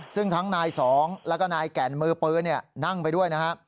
ซึ่งทั้งนายสองแล้วก็นายแก่นมือปืนนั่งไปด้วยนะฮะ